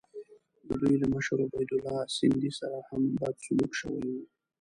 د دوی له مشر عبیدالله سندي سره هم بد سلوک شوی وو.